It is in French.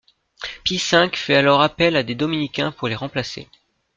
Pie V fait alors appel à des Dominicains pour les remplacer.